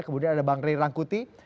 kemudian ada bang ray rangkuti